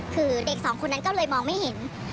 คือเด็กสองคนนั้นก็เลยมองไม่เห็น